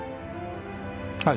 はい。